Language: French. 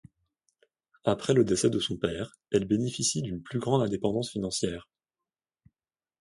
Après le décès de son père, elle bénéficie d'une plus grande indépendance financière.